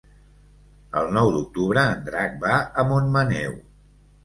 El nou d'octubre en Drac va a Montmaneu.